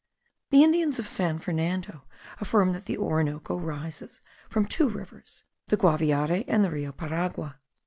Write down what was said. The Indians of San Fernando affirm that the Orinoco rises from two rivers, the Guaviare and the Rio Paragua.